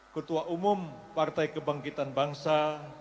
ketua umum partai kebangkitan bangsa